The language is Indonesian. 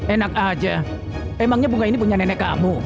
enak aja emangnya bunga ini punya nenek kamu